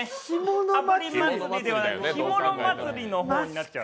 あぶり祭りではなくてひもの祭りの方になっちゃう。